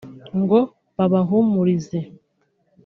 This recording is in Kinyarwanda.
ngo babahumurize”